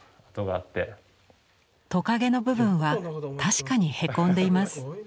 トカゲの部分は確かにへこんでいます。